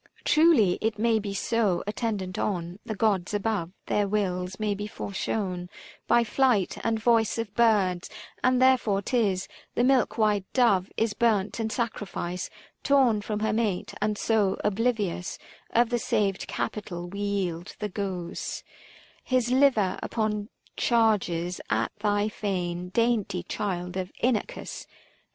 Truly, it may be so — attendant on The Gods above, their wills may be foreshown By flight and voice of birds ; and therefore 'tis 475 The milk white dove is burnt in sacrifice Torn from her mate ; and so, oblivious Of the saved Capitol, we yield the goose — His liver upon chargers at thy fane, dainty child of Inachus.